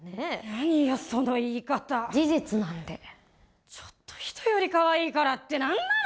何よその言い方事実なんでちょっと人よりかわいいからって何なの！